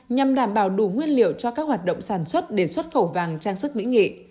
nhằm đảm bảo đủ nguyên liệu cho các hoạt động sản xuất để xuất khẩu vàng trang sức mỹ nghệ